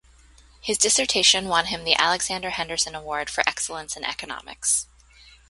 His dissertation won him the Alexander Henderson Award for excellence in economics.